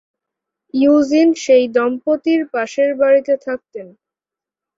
Eugene সেই দম্পতির পাশের বাড়িতে থাকতেন।